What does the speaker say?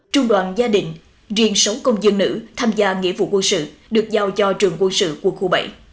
trung đoàn gia đình riêng sáu công dân nữ tham gia nghĩa vụ quân sự được giao cho trường quân sự quân khu bảy